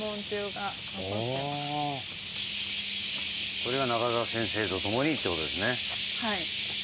これが中沢先生と共にということですね。